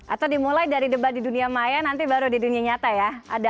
atau dimulai dari debat di dunia maya nanti baru di dunia nyata ya